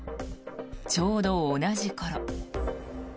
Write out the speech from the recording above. ちょうど同じ頃。